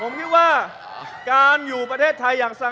คุณจิลายุเขาบอกว่ามันควรทำงานร่วมกัน